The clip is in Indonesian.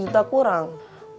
dalam umur standards